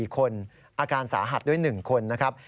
๔คนอาการสาหัสด้วย๑คนนะครับ